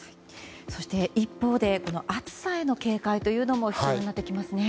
そして一方で暑さへの警戒も必要になってきますね。